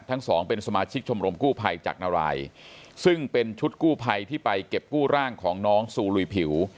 ทั้งสองเป็นสมาชิกชมรมกู้ภัยจากนารายซึ่งเป็นชุดกู้ภัยที่ไปเก็บกู้ร่างของน้องซูลุยผิว